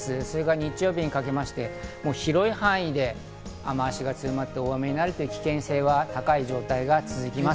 日曜日にかけまして、広い範囲で雨脚が強まって大雨になる危険性が高い状態が続きます。